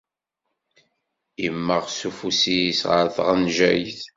Immeɣ s ufus-is ɣer tɣenjayt.